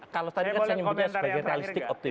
kalau tadi kan saya nyebutnya sebagai realistik optimis